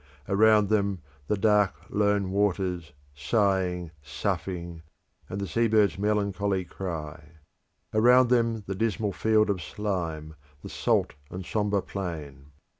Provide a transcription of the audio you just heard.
Around them the dark lone waters, sighing, soughing, and the sea bird's melancholy cry. Around them the dismal field of slime, the salt and sombre plain.